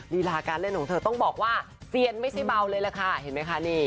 ลีลาการเล่นของเธอต้องบอกว่าเซียนไม่ใช่เบาเลยแหละค่ะเห็นไหมคะนี่